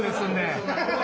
アハハハハ！